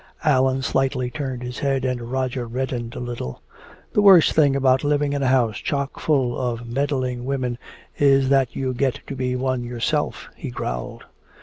Allan slightly turned his head, and Roger reddened a little. "The worst thing about living in a house chock full of meddling women is that you get to be one yourself," he growled.